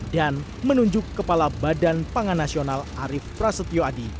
dan menunjuk kepala badan pangan nasional arief prasetyo adi